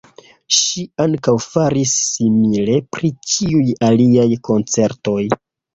Ŝi ankaŭ faris simile pri ĉiuj aliaj koncertoj.